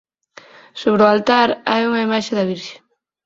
Sobre o altar hai unha imaxe da Virxe.